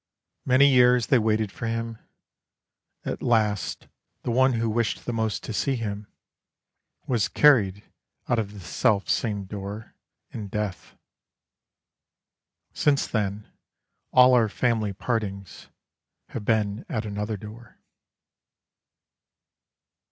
Many years they waited for him, At last the one who wished the most to see him, Was carried out of this selfsame door in death. Since then all our family partings Have been at another door.